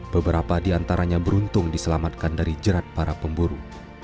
beberapa di antaranya beruntung diselamatkan dari jerat para pemburu